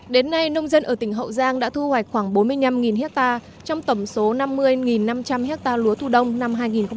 đến nay nông dân ở tỉnh hậu giang đã thu hoạch khoảng bốn mươi năm hectare trong tổng số năm mươi năm trăm linh hectare lúa thu đông năm hai nghìn một mươi tám